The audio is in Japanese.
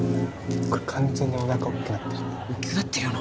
これ完全におなかおっきくなってるって・おっきくなってるよな